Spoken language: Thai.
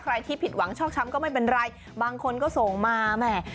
ที่ผิดหวังชอกช้ำก็ไม่เป็นไรบางคนก็ส่งมาแหม่